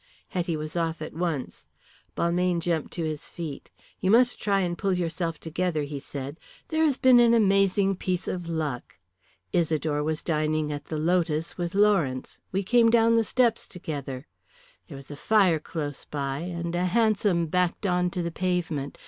Hetty was off at once. Balmayne jumped to his feet. "You must try and pull yourself together," he said. "There has been an amazing piece of luck. Isidore was dining at the Lotus with Lawrence. We came down the steps together. There was a fire close by, and a hansom backed on to the pavement.